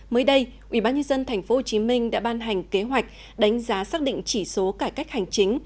mới đây ubnd tp hcm đã ban hành kế hoạch đánh giá xác định chỉ số cải cách hành chính